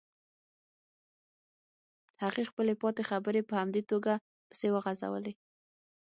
هغې خپلې پاتې خبرې په همدې توګه پسې وغزولې.